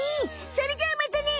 それじゃあまたね！